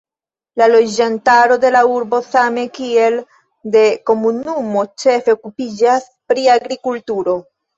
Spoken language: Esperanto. La loĝantaro de la urbo same kiel de la komunumo ĉefe okupiĝas pri agrikulturo.